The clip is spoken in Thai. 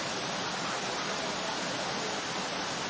หลุดหลานมาลุกมาลุก